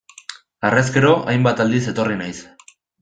Harrezkero, hainbat aldiz etorri naiz.